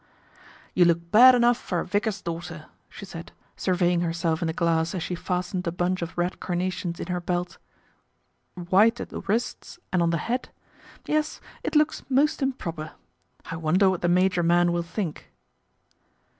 * You look bad enough for a vicar's daughter," she said, surveying herself in the glass as she fastened a bunch of red carnations in her belt. " White at the wrists and on the hat, yes, it looks most improper. I wonder what the major man will think